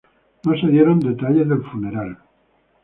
No se dieron detalles del funeral.